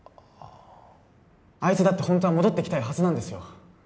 あいつだってホントは戻ってきたいはずなんですよ